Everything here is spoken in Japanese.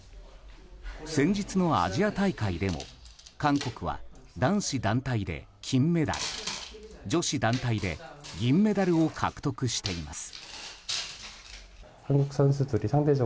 先日のアジア大会でも韓国は男子団体で金メダル女子団体で銀メダルを獲得しています。